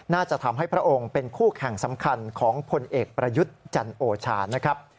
น่าจะทำให้พระองค์เป็นคู่แข่งสำคัญของพลเอกประยุทธ์จันโอชานะครับ